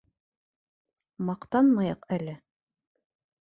Маҡтанмайыҡ әле!